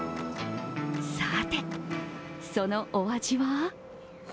さて、そのお味は？